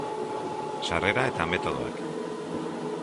Sarrera eta metodoak.